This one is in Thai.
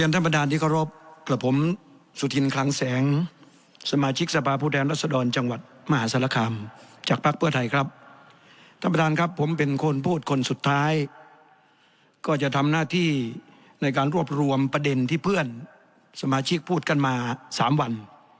ท่านประธานครับผมเป็นคนพูดคนสุดท้ายก็จะทำหน้าที่ในการรวบรวมประเด็นที่เพื่อนสมาชิกพูดกันมา๓วัน